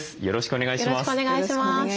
よろしくお願いします。